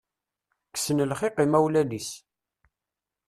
Kksen lxiq imawlan-is.